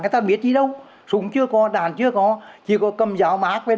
người ta biết đi đâu súng chưa có đàn chưa có chỉ có cầm giáo mác